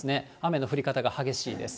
雨の降り方が激しいです。